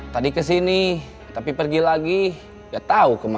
tadi kesini tapi pergi lagi gak tau kemana